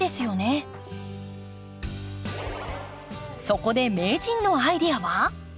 そこで名人のアイデアは？